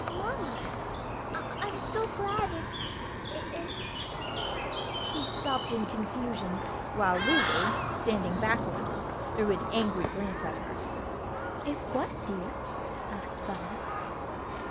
"Mamma, I'm so glad, if if " She stopped in confusion, while Lulu, standing back a little, threw an angry glance at her. "If what, dear?" asked Violet.